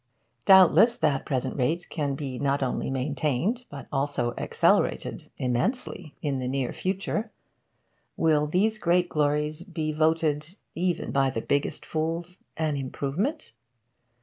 Doubtless, that present rate can be not only maintained, but also accelerated immensely, in the near future. Will these greater glories be voted, even by the biggest fools, an improvement?